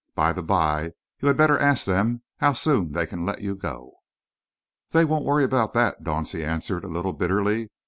By the bye, you had better ask them how soon they can let you go." "They won't worry about that," Dauncey answered, a little bitterly.